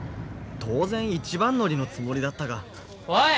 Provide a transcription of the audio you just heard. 当然一番乗りのつもりだったがおい！